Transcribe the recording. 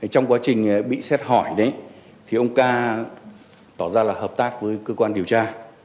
trong quá trình bị xét hỏi ông ca tỏ ra là hợp tác với cơ quan điều tra